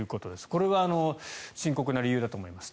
これは深刻な理由だと思います。